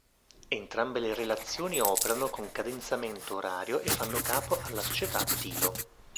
Entrambe le relazioni operano con cadenzamento orario e fanno capo alla società TiLo.